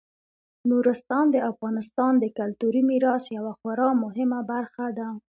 نورستان د افغانستان د کلتوري میراث یوه خورا مهمه برخه ده.